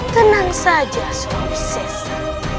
tenang saja suhaim sessa